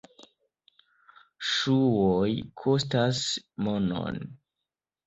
Ŝuoj kostas monon.